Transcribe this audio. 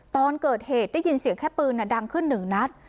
ตอนเกิดเหตุได้ยินเสียงแค่ปืนดังขึ้นหนึ่งนัด